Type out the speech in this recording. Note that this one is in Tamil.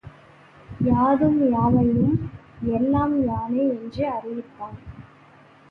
யாதும், யாவையும் எல்லாம் யானே என்று அறிவித்தான்.